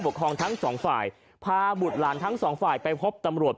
ทั้งสองฝ่ายพาบุตรหลานทั้งสองฝ่ายไปพบตำรวจ